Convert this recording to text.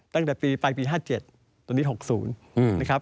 ตั้งแต่ปี๕๗ตอนนี้๖๐